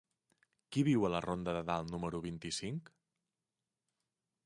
Qui viu a la ronda de Dalt número vint-i-cinc?